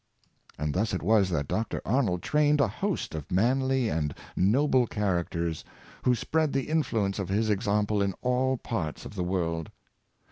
And thus it was that Dr. Arnold trained a host of manly and noble characters, who spread the influence of his example i» all parts of the world.